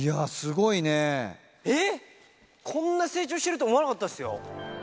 えっ、こんな成長しているとは思わなかったっすよ。